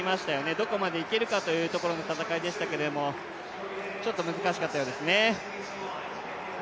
どこまでいけるかというところの戦いでしたけどちょっと難しかったようですね。